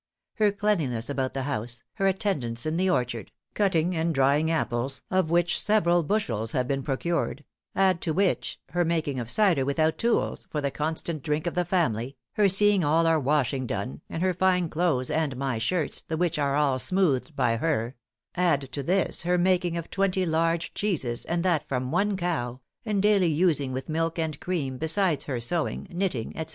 Her cleanliness about the house, her attendance in the orchard, cutting and drying apples, of which several bushels have been procured; add to which, her making of cider without tools, for the constant drink of the family, her seeing all our washing done, and her fine clothes and my shirts, the which are all smoothed by her; add to this, her making of twenty large cheeses, and that from one cow, and daily using with milk and cream, besides her sewing, knitting, &c.